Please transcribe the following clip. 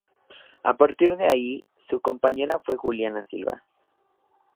A partir de ahí su compañera fue Juliana Silva.